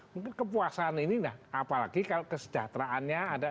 mungkin kepuasan ini nah apalagi kalau kesejahteraannya ada